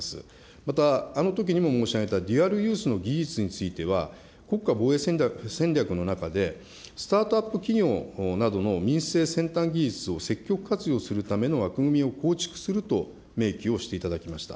また、あのときにも申し上げたデュアルユースの技術については、国家防衛戦略の中で、スタートアップ企業などの民生先端技術を積極活用するための枠組みを構築すると明記をしていただきました。